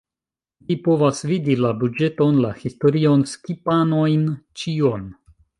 Vi povas vidi la buĝeton, la historion, skipanojn, ĉion